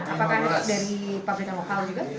apakah dari pabrik lokal juga